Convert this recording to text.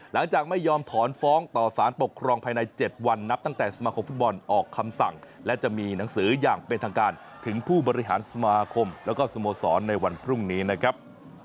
หลังจากไม่ยอมถอนฟ้องต่อสารปกครองภายใน๗วันนับตั้งแต่สมาคมฟุตบอลออกคำสั่งและจะมีหนังสืออย่างเป็นทางการถึงผู้บริหารสมาคมแล้วก็สโมสรในวันพรุ่งนี้นะครับ